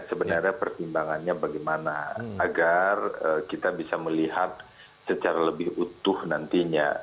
sebenarnya pertimbangannya bagaimana agar kita bisa melihat secara lebih utuh nantinya